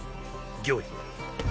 御意。